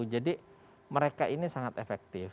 jadi mereka ini sangat efektif